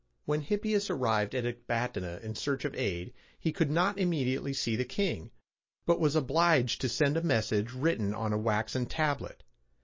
When Hippias arrived at Ecbatana in search of aid, he could not immediately see the king, but was obliged to send in a message written on a waxen tablet.